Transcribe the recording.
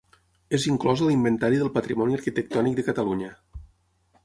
És inclòs a l'Inventari del Patrimoni Arquitectònic de Catalunya.